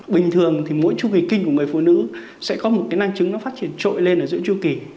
bình thường thì mỗi chu kỳ kinh của người phụ nữ sẽ có một năng trứng phát triển trội lên giữa chu kỳ